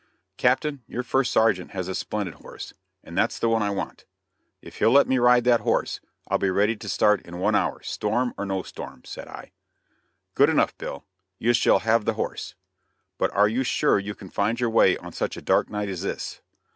"Captain, your first sergeant has a splendid horse, and that's the one I want. If he'll let me ride that horse, I'll be ready to start in one hour, storm or no storm," said I. "Good enough, Bill; you shall have the horse; but are you sure you can find your way on such a dark night as this?"